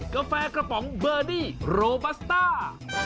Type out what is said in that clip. กาแฟกระป๋องเบอร์นี่โรบัสต้า